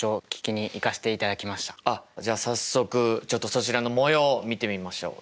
あっじゃあ早速ちょっとそちらのもようを見てみましょう。